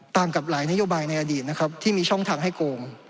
ต่างกับหลายนโยบายในอดีตนะครับที่มีช่องทางให้โกง